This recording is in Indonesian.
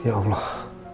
oh ya allah